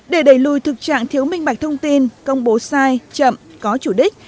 để đẩy lùi thực trạng thiếu minh bạch thông tin công bố sai chậm có chủ đích